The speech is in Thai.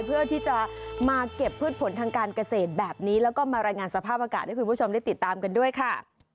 เพื่อที่จะมาเก็บพืชผลทางการเกษตรแบบนี้แล้วก็มารายงานสภาพอากาศให้คุณผู้ชมได้ติดตามกันด้วยค่ะ